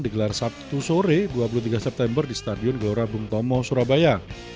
digelar sabtu sore dua puluh tiga september di stadion gelora bung tomo surabaya